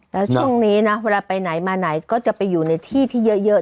แล้วช่วงนี้นะเวลาไปไหนมาไหนก็จะไปอยู่ในที่ที่เยอะ